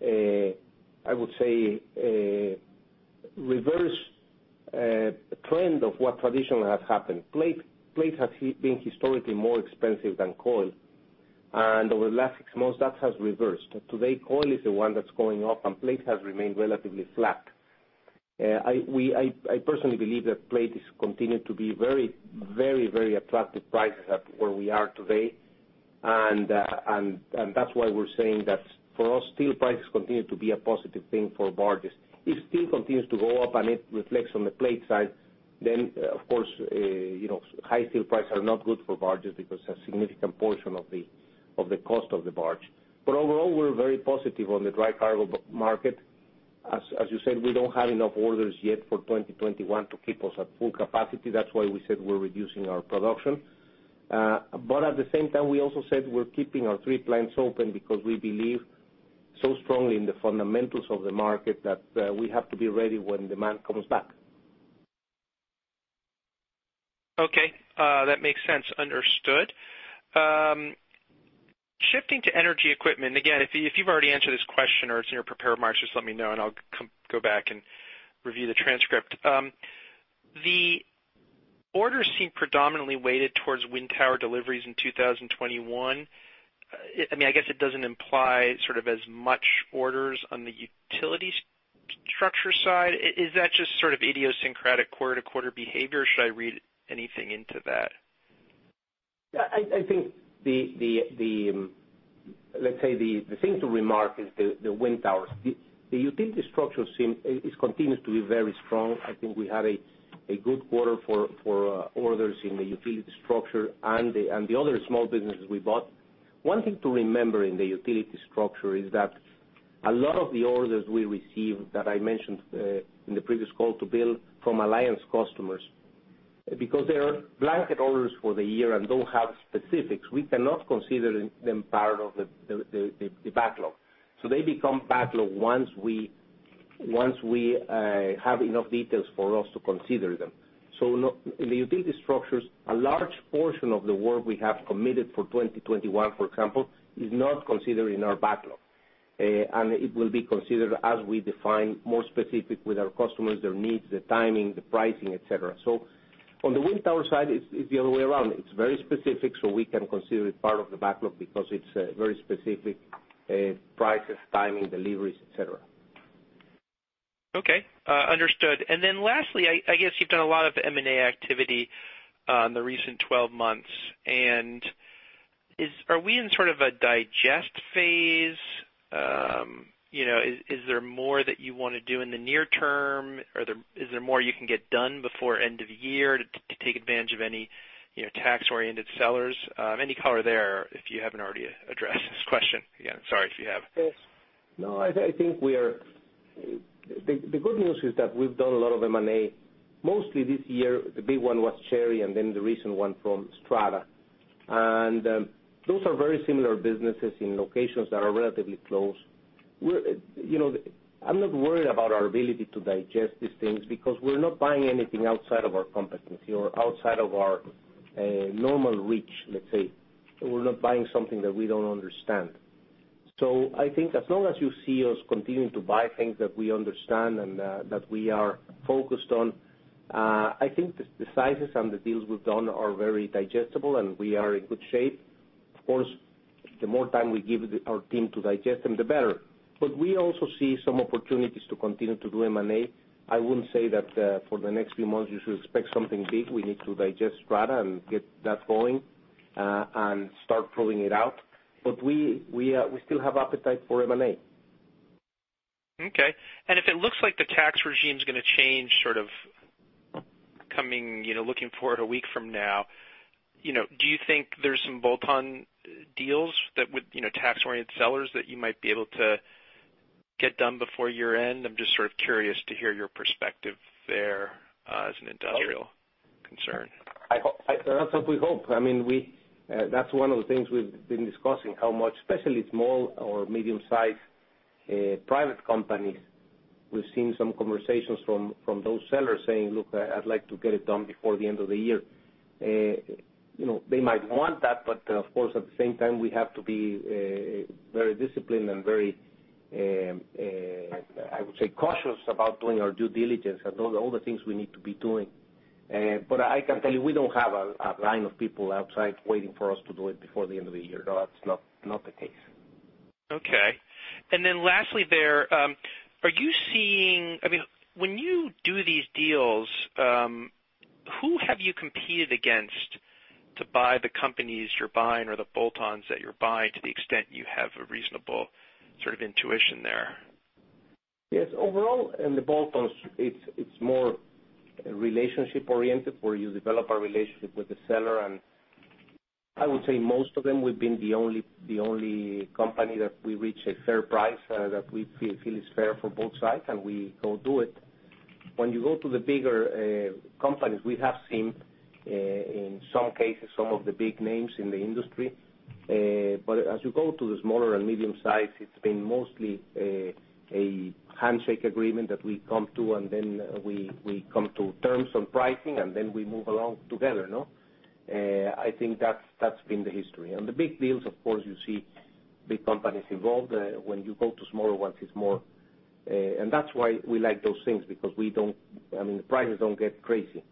I would say, reverse trend of what traditionally has happened. Plate has been historically more expensive than coil, and over the last six months, that has reversed. Today, coil is the one that's going up, and plate has remained relatively flat. I personally believe that the plate has continued to be very attractive prices at where we are today. That's why we're saying that for us, steel prices continue to be a positive thing for barges. If steel continues to go up and it reflects on the plate side, then of course, high steel prices are not good for barges because a significant portion of the cost of the barge. Overall, we're very positive on the dry cargo market. As you said, we don't have enough orders yet for 2021 to keep us at full capacity. That's why we said we're reducing our production. At the same time, we also said we're keeping our three plants open because we believe so strongly in the fundamentals of the market that we have to be ready when demand comes back. Okay. That makes sense. Understood. Shifting to energy equipment, again, if you've already answered this question or it's in your prepared remarks, just let me know, and I'll go back and review the transcript. The orders seem predominantly weighted towards wind tower deliveries in 2021. I guess it doesn't imply sort of as much orders on the utility structure side. Is that just sort of idiosyncratic quarter-to-quarter behavior, or should I read anything into that? I think, let's say, the thing to remark is the wind towers. The utility structure continues to be very strong. I think we had a good quarter for orders in the utility structure and the other small businesses we bought. One thing to remember in the utility structure is that a lot of the orders we received that I mentioned in the previous call to Bill from alliance customers, because they are blanket orders for the year and don't have specifics, we cannot consider them part of the backlog. They become backlog once we have enough details for us to consider them. In the utility structures, a large portion of the work we have committed for 2021, for example, is not considered in our backlog. It will be considered as we define more specific with our customers, their needs, the timing, the pricing, et cetera. On the wind tower side, it's the other way around. It's very specific, so we can consider it part of the backlog because it's very specific prices, timing, deliveries, et cetera. Okay. Understood. Lastly, I guess you've done a lot of M&A activity in the recent 12 months. Are we in a sort of a digest phase? Is there more that you want to do in the near term? Is there more you can get done before the end of the year to take advantage of any tax-oriented sellers? Any color there, if you haven't already addressed this question. Again, sorry if you have. The good news is that we've done a lot of M&A. Mostly this year, the big one was Cherry, then the recent one from Strata. Those are very similar businesses in locations that are relatively close. I'm not worried about our ability to digest these things because we're not buying anything outside of our competency or outside of our normal reach, let's say. We're not buying something that we don't understand. I think as long as you see us continuing to buy things that we understand and that we are focused on, I think the sizes and the deals we've done are very digestible, and we are in good shape. Of course, the more time we give our team to digest them, the better. We also see some opportunities to continue to do M&A. I wouldn't say that for the next few months, you should expect something big. We need to digest Strata and get that going and start pulling it out. We still have an appetite for M&A. Okay. If it looks like the tax regime's going to change, sort of looking forward a week from now, do you think there's some bolt-on deals that with tax-oriented sellers that you might be able to get done before year-end? I'm just sort of curious to hear your perspective there as an industrial concern. That's what we hope. That's one of the things we've been discussing, how much, especially for small or medium-sized private companies. We've seen some conversations from those sellers saying, "Look, I'd like to get it done before the end of the year." They might want that, of course, at the same time, we have to be very disciplined and very, I would say, cautious about doing our due diligence and all the things we need to be doing. I can tell you, we don't have a line of people outside waiting for us to do it before the end of the year. No, that's not the case. Okay. Lastly there, when you do these deals, who have you competed against to buy the companies you're buying or the bolt-ons that you're buying to the extent you have a reasonable intuition there? Yes. Overall, in the bolt-ons, it's more relationship-oriented, where you develop a relationship with the seller. I would say most of them, we've been the only company that we reach a fair price that we feel is fair for both sides, and we go do it. When you go to the bigger companies, we have seen, in some cases, some of the big names in the industry. As you go to the smaller and medium-sized, it's been mostly a handshake agreement that we come to, and then we come to terms on pricing, and then we move along together. I think that's been the history. On the big deals, of course, you see big companies involved. When you go to smaller ones, it's more. That's why we like those things, because the prices don't get crazy.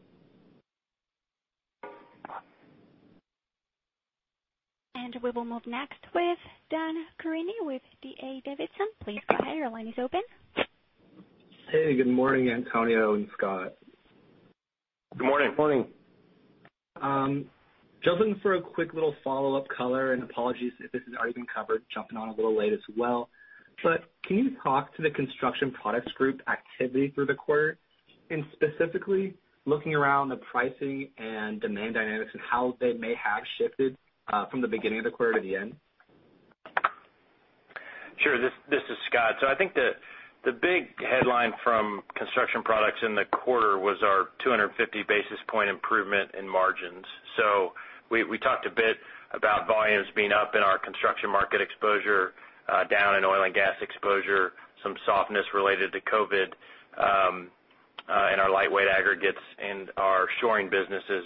We will move next with [Dan Carini] with D.A. Davidson. Please go ahead. Your line is open. Hey, good morning, Antonio and Scott. Good morning. Good morning. Just looking for a quick little follow-up color, and apologies if this has already been covered. Jumping on a little late as well. Can you talk to the Construction Products group activity through the quarter, and specifically looking around the pricing and demand dynamics, and how they may have shifted from the beginning of the quarter to the end? Sure. This is Scott. I think the big headline from Construction Products in the quarter was our 250 basis point improvement in margins. We talked a bit about volumes being up in our construction market exposure, down in oil and gas exposure, some softness related to COVID in our lightweight aggregates and our shoring businesses.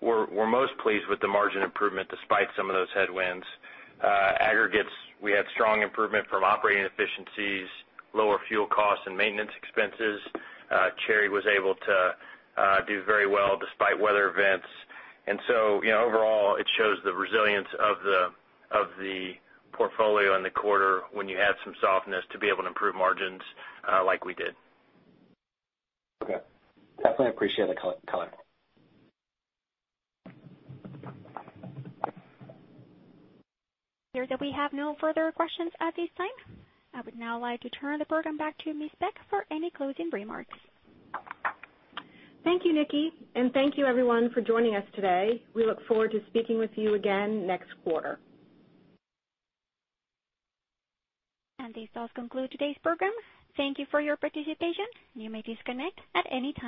We're most pleased with the margin improvement despite some of those headwinds. Aggregates, we had strong improvement from operating efficiencies, lower fuel costs, and maintenance expenses. Cherry was able to do very well despite the weather events. Overall, it shows the resilience of the portfolio in the quarter when you had some softness to be able to improve margins like we did. Okay. Definitely appreciate the color. Hear that we have no further questions at this time. I would now like to turn the program back to Ms. Peck for any closing remarks. Thank you, Nikki. Thank you, everyone, for joining us today. We look forward to speaking with you again next quarter. This does conclude today's program. Thank you for your participation. You may disconnect at any time.